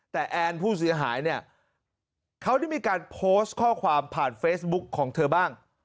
แต่แอนผู้เสียหายเนี่ยเขาได้มีการโพสต์ข้อความผ่านเฟซบุ๊กของเธอบ้าง